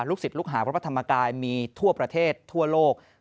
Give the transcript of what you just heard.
ศิษย์ลูกหาพระธรรมกายมีทั่วประเทศทั่วโลก